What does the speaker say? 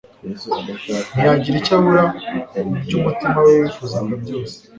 ntiyagira icyo abura mu byo umutima we wifuzaga byose